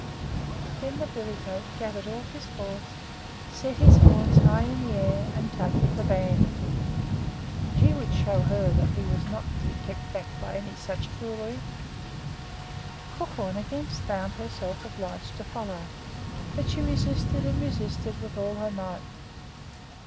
Then the billy goat gathered all his force, set his horns high in the air, and tugged at the band. He would show her that he was not to be kept back by any such foolery! Crookhorn again found herself obliged to follow, but she resisted and resisted with all her might.